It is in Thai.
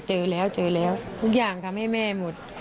เจอแล้วทุกอย่างทำให้แม่หมด